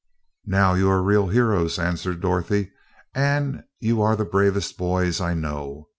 "Now, you are real heroes," answered Dorothy, "and you are the bravest boys I know.